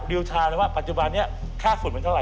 ริวทาวน์เลยว่าปัจจุบันนี้ค่าฝุ่นเป็นเท่าไหร่